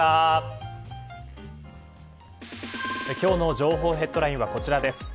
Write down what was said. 今日の情報ヘッドラインがこちらです。